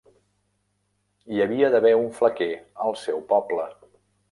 Hi havia d'haver un flequer al seu poble.